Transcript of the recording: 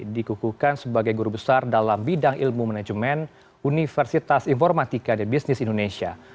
dikukuhkan sebagai guru besar dalam bidang ilmu manajemen universitas informatika dan bisnis indonesia